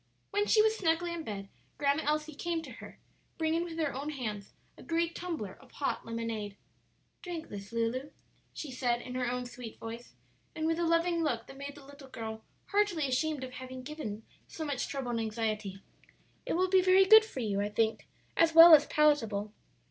When she was snugly in bed, Grandma Elsie came to her, bringing with her own hands a great tumbler of hot lemonade. "Drink this, Lulu," she said, in her own sweet voice and with a loving look that made the little girl heartily ashamed of having given so much trouble and anxiety; "it will be very good for you, I think, as well as palatable."